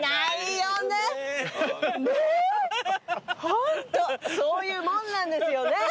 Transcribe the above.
ホントそういうもんなんですよね。